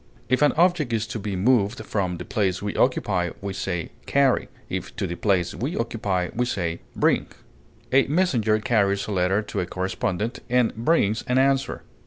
If an object is to be moved from the place we occupy, we say carry; if to the place we occupy, we say bring. A messenger carries a letter to a correspondent, and brings an answer.